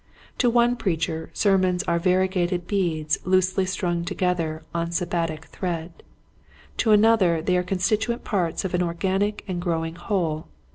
To one preacher sermons are variegated beads loosely strung together on Sabbatic thread, to another they are con stituent parts of an organic and growing whole.